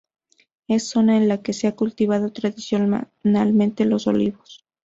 Es zona en la que se ha cultivado tradicionalmente los Olivos.